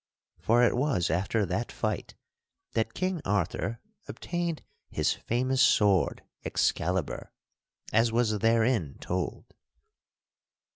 For it was after that fight that King Arthur obtained his famous sword Excalibur, as was therein told.